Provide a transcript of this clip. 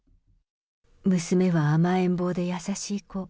娘は甘えん坊で優しい子。